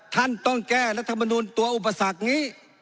ท่านต้องแก้รัฐมนุนตัวอุปสรรคนี้